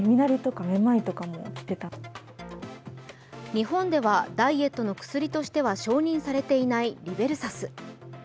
日本ではダイエットの薬としては承認されていないリベルサス。